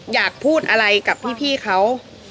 อยากพูดอะไรกับพี่เขา